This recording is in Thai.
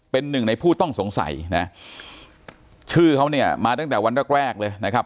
เป็นหนึ่งในผู้ต้องสงสัยนะชื่อเขาเนี่ยมาตั้งแต่วันแรกแรกเลยนะครับ